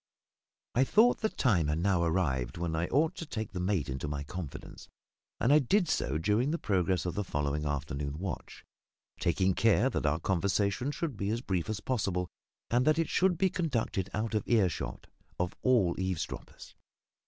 I thought the time had now arrived when I ought to take the mate into my confidence, and I did so during the progress of the following afternoon watch; taking care that our conversation should be as brief as possible, and that it should be conducted out of earshot of all eavesdroppers.